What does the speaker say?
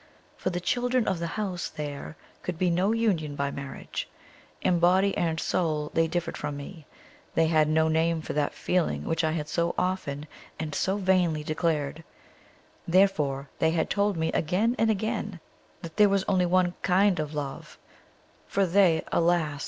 For the children of the house there could be no union by marriage; in body and soul they differed from me: they had no name for that feeling which I had so often and so vainly declared; therefore they had told me again and again that there was only one kind of love, for they, alas!